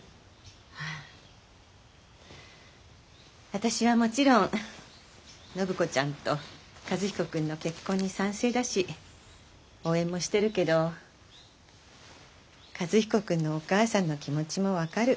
私はもちろん暢子ちゃんと和彦君の結婚に賛成だし応援もしてるけど和彦君のお母さんの気持ちも分かる。